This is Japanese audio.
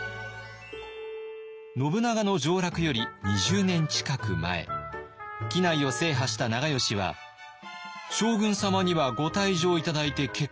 信長の上洛より２０年近く前畿内を制覇した長慶は「将軍様にはご退場頂いて結構。